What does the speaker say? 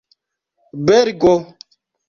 belgo